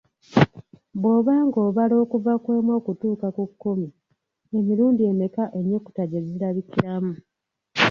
Bw'oba ng'obala okuva ku emu okutuuka ku kumi , mirundi emeka ennyukuta gye zirabikamu?